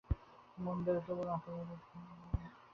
মন্দের কেবল আকার বদলায়, কিন্তু তার গুণগত কোন পরিবর্তন হয় না।